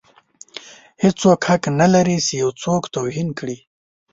هیڅوک حق نه لري چې یو څوک توهین کړي.